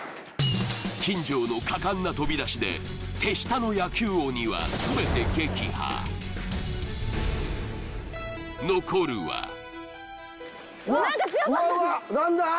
金城の果敢な飛び出しで手下の野球鬼は全て撃破残るは何か強そううわうわっ何だ？